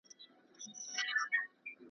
هر شته من او هر ځواکمن ته لاس پر نام وي .